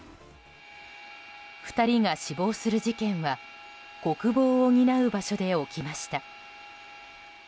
２人が死亡する事件は国防を担う場所で起きました。